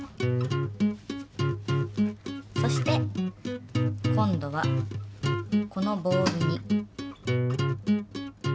そして今度はこのボールに。